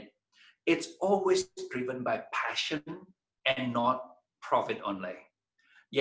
selalu diperlukan dengan pasien dan bukan hanya dengan keuntungan